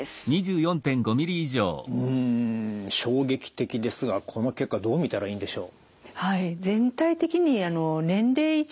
うん衝撃的ですがこの結果どう見たらいいんでしょう？